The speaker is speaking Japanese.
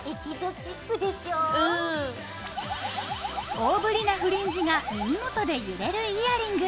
大ぶりなフリンジが耳元で揺れるイヤリング。